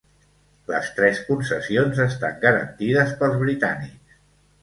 Les tres concessions estan garantides pels britànics.